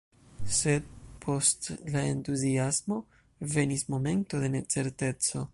Sed, post la entuziasmo, venis momento de necerteco.